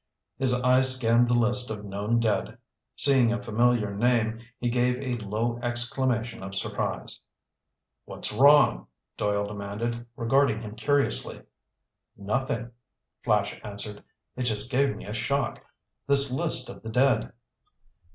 His eye scanned the list of known dead. Seeing a familiar name, he gave a low exclamation of surprise. "What's wrong?" Doyle demanded, regarding him curiously. "Nothing," Flash answered. "It just gave me a shock—this list of the dead."